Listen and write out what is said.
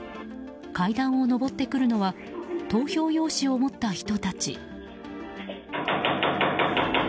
階段を上ってくるのは投票用紙を持った人たち。